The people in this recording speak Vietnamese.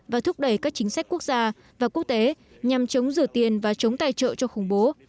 và thúc đẩy các chính sách quốc gia và quốc tế nhằm chống rửa tiền và chống tài trợ cho khủng bố